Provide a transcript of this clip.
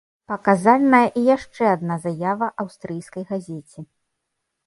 Паказальная і яшчэ адна заява аўстрыйскай газеце.